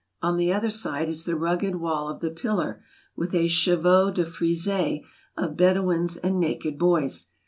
On the other side is the rugged wall of the pillar, with a chevaux de frise of Bedouins and naked boys.